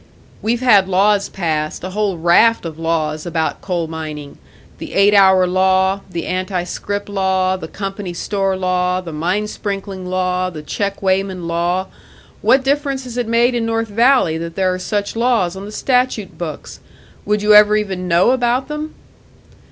"We've had laws passed, a whole raft of laws about coal mining the eight hour law, the anti scrip law, the company store law, the mine sprinkling law, the check weighman law. What difference has it made in North Valley that there are such laws on the statute books? Would you ever even know about them?"